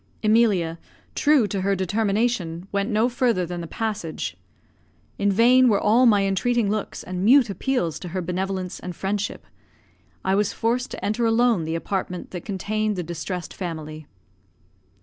Emilia, true to her determination, went no farther than the passage. In vain were all my entreating looks and mute appeals to her benevolence and friendship; I was forced to enter alone the apartment that contained the distressed family.